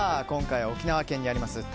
今回は沖縄県にあります